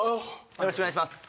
よろしくお願いします。